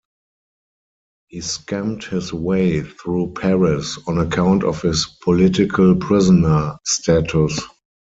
He scammed his way through Paris on account of his 'political prisoner' status.